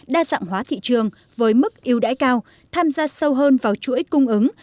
đa dạng hóa thị trường với mức yêu đãi cao tham gia sâu hơn vào chuỗi cung ứng